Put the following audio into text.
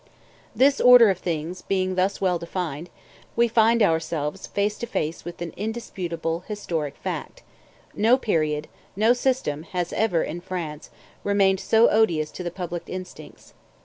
This order of things being thus well defined, we find ourselves face to face with an indisputable historic fact: no period, no system has ever, in France, remained so odious to the public instincts.